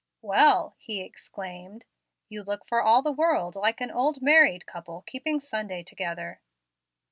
"Well," he exclaimed, "you look for all the world like an old married couple keeping Sunday together."